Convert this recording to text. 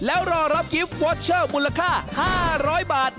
แล้วรอรับกิฟต์วอเชอร์มูลค่า๕๐๐บาท